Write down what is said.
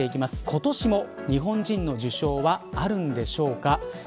今年も日本人の受賞はあるんでしょうか。